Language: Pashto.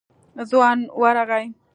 ځوان ورغی.